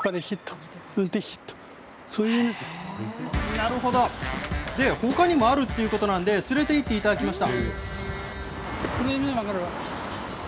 なるほど、ほかにもあるということなんで、連れて行っていただきました。